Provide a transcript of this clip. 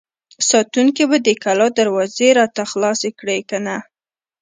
ساتونکي به د کلا دروازه راته خلاصه کړي که نه!